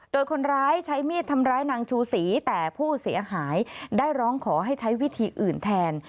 โดยคนร้ายใช้มีดทำร้ายนางชูศรีแต่ผู้เสียหายได้ร้องขอให้ใช้วิธีอื่นแทน